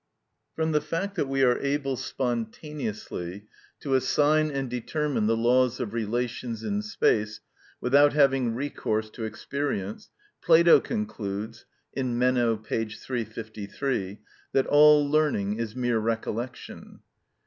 From the fact that we are able spontaneously to assign and determine the laws of relations in space without having recourse to experience, Plato concludes (Meno, p. 353, Bip.) that all learning is mere recollection.